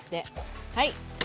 はい。